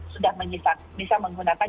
sudah bisa menggunakan